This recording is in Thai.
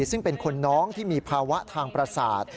ซึ่งเป็นคนน้องที่มีภาวะทางประสาท